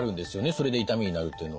それで痛みになるというのは。